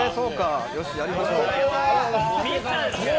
よし、やりましょう。